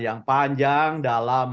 yang panjang dalam